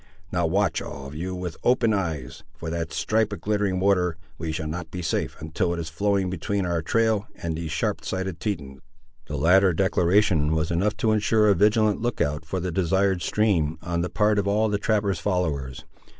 Now watch all of you, with open eyes, for that stripe of glittering water: we shall not be safe until it is flowing between our trail and these sharp sighted Tetons." The latter declaration was enough to ensure a vigilant look out for the desired stream, on the part of all the trapper's followers.